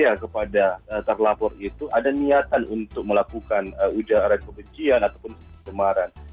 ya kepada terlapor itu ada niatan untuk melakukan ujaran kebencian ataupun kecemaran